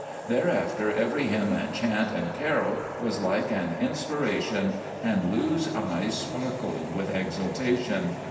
"Thereafter every hymn and chant and carol was like an inspiration, and Lou's eyes sparkled with exultation.